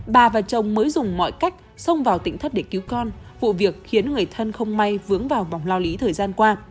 bà và chồng mới dùng mọi cách xông vào tỉnh thất để cứu con vụ việc khiến người thân không may vướng vào vòng lao lý thời gian qua